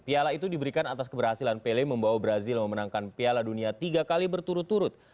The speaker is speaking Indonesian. piala itu diberikan atas keberhasilan pele membawa brazil memenangkan piala dunia tiga kali berturut turut